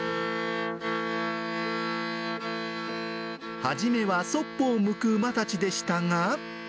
初めはそっぽを向く馬たちでしたが。